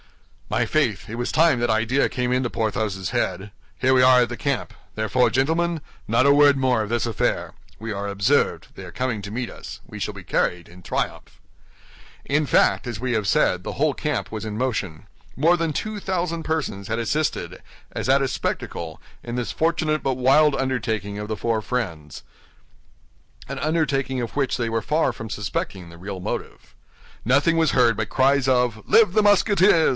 "My faith, it was time that idea came into Porthos's head. Here we are at the camp; therefore, gentlemen, not a word more of this affair. We are observed; they are coming to meet us. We shall be carried in triumph." In fact, as we have said, the whole camp was in motion. More than two thousand persons had assisted, as at a spectacle, in this fortunate but wild undertaking of the four friends—an undertaking of which they were far from suspecting the real motive. Nothing was heard but cries of "Live the Musketeers!